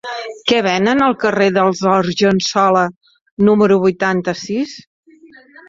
Què venen al carrer dels Argensola número vuitanta-sis?